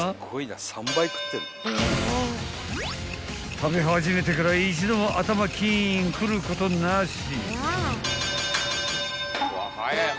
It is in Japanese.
［食べ始めてから一度も頭キーンくることなし］